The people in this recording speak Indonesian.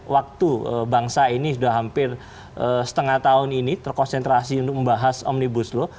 waktu bangsa ini sudah hampir setengah tahun ini terkonsentrasi untuk membahas omnibus law